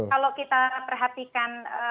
kalau kita perhatikan